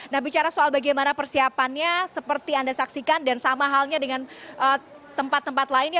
nah bicara soal bagaimana persiapannya seperti anda saksikan dan sama halnya dengan tempat tempat lainnya